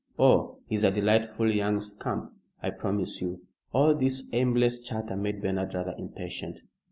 Oh, he's a delightful young scamp, I promise you!" All this aimless chatter made Bernard rather impatient.